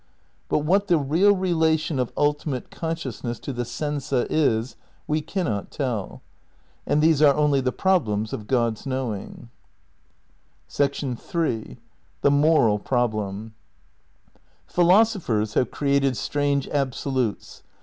But what the real relation of ultimate consciousness to the sensa is we cannot tell. And these are only the problems of God's knowing. iii Philosophers have created strange Absolutes.